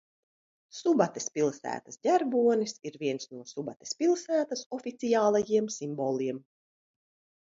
Subates pilsētas ģerbonis ir viens no Subates pilsētas oficiālajiem simboliem.